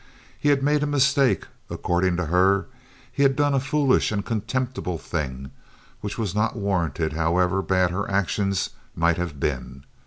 He had made a mistake, according to her. He had done a foolish and a contemptible thing, which was not warranted however bad her actions might have been.